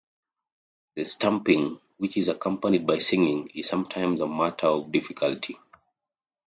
The stamping, which is accompanied by singing, is sometimes a matter of difficulty.